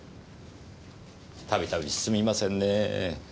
度々すみませんねぇ。